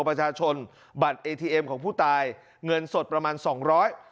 ประชาชนบัตรเอทีเอ็มของผู้ตายเงินสดประมาณสองร้อย